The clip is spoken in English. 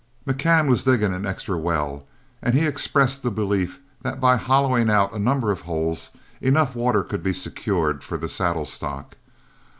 McCann was digging an extra well, and he expressed the belief that by hollowing out a number of holes, enough water could be secured for the saddle stock.